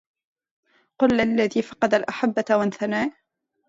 قل للذي فقد الأحبة وانثنى